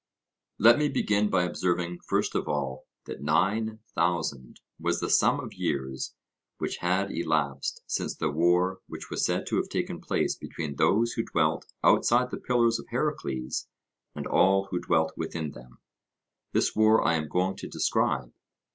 Let me begin by observing first of all, that nine thousand was the sum of years which had elapsed since the war which was said to have taken place between those who dwelt outside the pillars of Heracles and all who dwelt within them; this war I am going to describe.